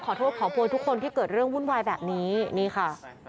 ขอโทษขอโพยทุกคนที่เกิดเรื่องวุ่นวายแบบนี้นี่ค่ะ